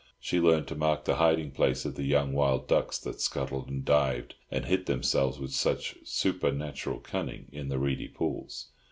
She learned to mark the hiding place of the young wild ducks that scuttled and dived, and hid themselves with such super natural cunning in the reedy pools.